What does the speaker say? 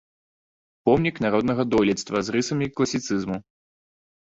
Помнік народнага дойлідства з рысамі класіцызму.